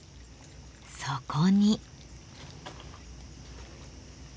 そこに。